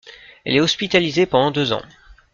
Elle est hospitalisée pendant deux ans.